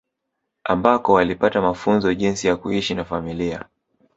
Ambako walipata mafunzo jinsi ya kuishi na familia